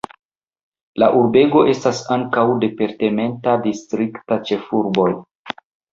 La urbego estas ankaŭ departementa distrikta ĉefurboj.